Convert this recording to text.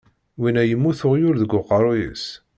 Winna yemmut uɣyul deg uqerruy-is.